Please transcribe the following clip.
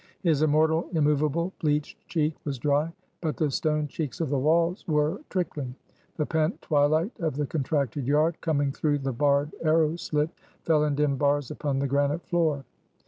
His immortal, immovable, bleached cheek was dry; but the stone cheeks of the walls were trickling. The pent twilight of the contracted yard, coming through the barred arrow slit, fell in dim bars upon the granite floor.